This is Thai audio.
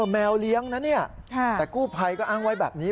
แมวเลี้ยงนะเนี่ยแต่กู้ภัยก็อ้างไว้แบบนี้